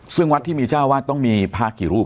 ซึ่งวัดที่มีเจ้าวาดต้องมีพระกี่รูป